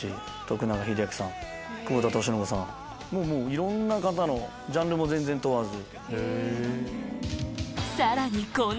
いろんな方のジャンルも全然問わず。